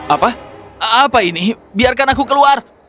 apa apa ini biarkan aku keluar